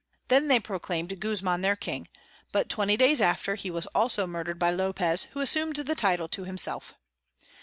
Then they proclaim'd Guzman their King, but 20 days after he was also murder'd by Lopez, who assum'd the Title to himself.